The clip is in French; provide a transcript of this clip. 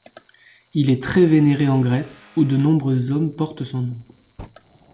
Il est très vénéré en Grèce où de nombreux hommes portent son nom.